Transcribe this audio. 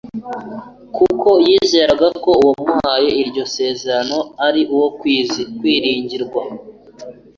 kuko yizeraga ko Uwamuhaye iryo sezerano ari uwo kwiringirwa.